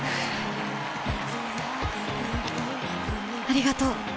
ありがとう。